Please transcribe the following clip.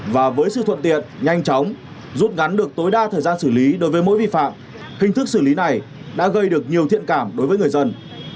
và với sự thuận tiện nhanh chóng rút ngắn được tối đa thời gian xử lý đối với mỗi vi phạm hình thức xử lý này đã gây được nhiều thiện cảm đối với người dân